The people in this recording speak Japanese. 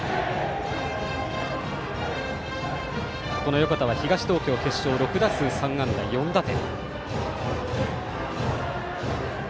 横田は東東京決勝６打数３安打４打点。